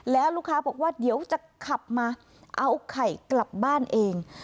แล้วลูกค้าบอกว่าเดี๋ยวจะขับมาเอาไข่กลับบ้านเอง